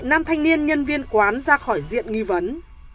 một loại năm thanh niên nhân viên quán ra khỏi diện nghi vấn